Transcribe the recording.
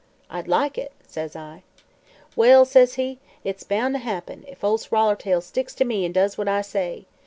"'I'd like it,' says I. "'Well,' says he,' it's boun' to happen, if Ol' Swallertail sticks to me an' does what I say.